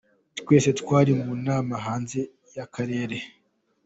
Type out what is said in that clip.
Twese twari mu nama hanze y’akarere.